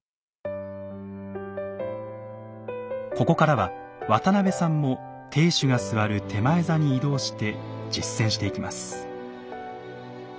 ここからは渡邊さんも亭主が座る点前座に移動して実践していきます。